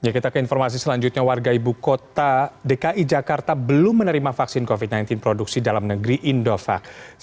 kita ke informasi selanjutnya warga ibu kota dki jakarta belum menerima vaksin covid sembilan belas produksi dalam negeri indovac